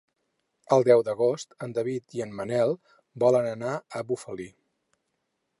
El deu d'agost en David i en Manel volen anar a Bufali.